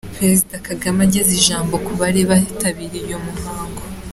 Perezida Kagame ageza ijambo ku bari bitabiriye uyu muhango.